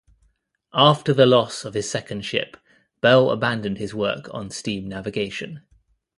After the loss of his second ship, Bell abandoned his work on steam navigation.